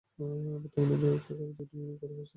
বর্তমানে বিভক্ত করে দুটি ইউনিয়ন করা হয়েছে।